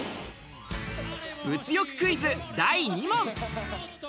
物欲クイズ第２問。